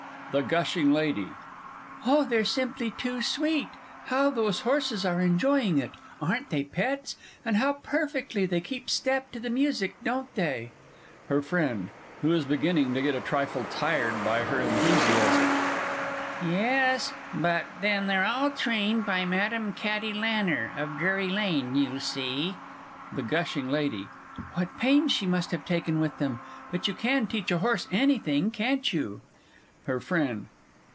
THE GUSHING LADY. Oh, they're simply too sweet! How those horses are enjoying it aren't they pets? and how perfectly they keep step to the music, don't they? HER FRIEND. (who is beginning to get a trifle tired by her enthusiasm). Yes; but then they're all trained by Madame Katti Lanner, of Drury Lane, you see. THE GUSHING LADY. What pains she must have taken with them; but you can teach a horse anything, can't you? HER FRIEND.